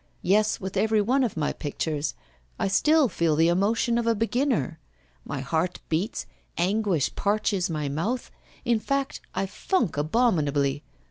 Yes, with every one of my pictures I still feel the emotion of a beginner; my heart beats, anguish parches my mouth in fact, I funk abominably.